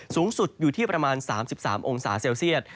สูงสุดอยู่ที่ประมาณ๓๓องศาเซลเซียต